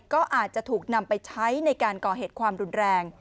ก็อาจจะถูกนำไปใช้ในการก่อเหตุความรุนแรง